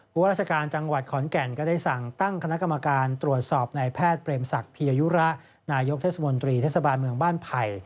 ว่าราชการจังหวัดขอนแก่นก็ได้สั่งตั้งคณะกรรมการตรวจสอบในแพทย์เปรมศักดิยยุระนายกเทศมนตรีเทศบาลเมืองบ้านไผ่